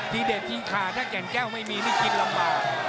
เด็ดทีขาดถ้าแก่นแก้วไม่มีนี่กินลำบาก